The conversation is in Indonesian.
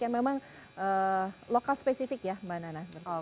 yang memang lokal spesifik ya mbak nana